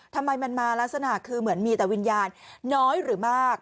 ทำไมมันมาลักษณะคือเหมือนมีแต่วิญญาณน้อยหรือมาก